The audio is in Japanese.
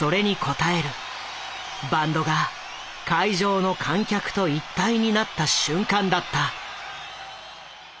バンドが会場の観客と一体になった瞬間だった。